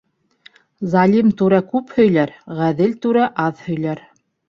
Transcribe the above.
Залим түрә күп һөйләр, ғәҙел түрә аҙ һөйләр.